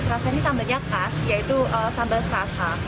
terasa ini sambalnya khas yaitu sambal serasa